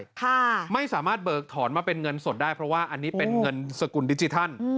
ค่ะไม่สามารถเบิกถอนมาเป็นเงินสดได้เพราะว่าอันนี้เป็นเงินสกุลดิจิทัล